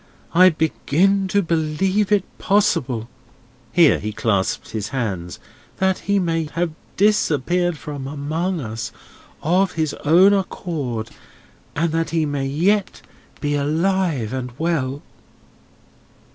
I begin to believe it possible:" here he clasped his hands: "that he may have disappeared from among us of his own accord, and that he may yet be alive and well."